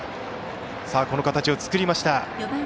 この形を作りました。